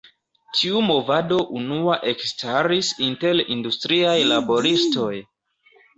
Tiu movado unua ekstaris inter industriaj laboristoj.